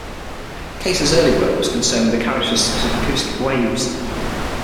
Kayser's early work was concerned with the characteristics of acoustic waves.